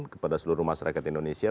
kepada seluruh masyarakat indonesia